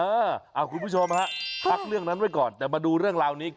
คุณผู้ชมฮะพักเรื่องนั้นไว้ก่อนแต่มาดูเรื่องราวนี้